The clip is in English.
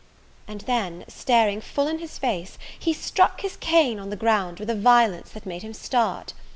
And then, staring full in his face, he struck his cane on the ground with a violence that made him start.